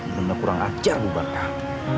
bener bener kurang ajar ibu barkang